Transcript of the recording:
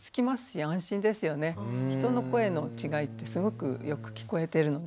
人の声の違いってすごくよく聞こえてるので。